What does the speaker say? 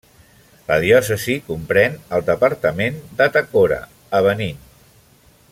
La diòcesi comprèn el departament d'Atakora, a Benín.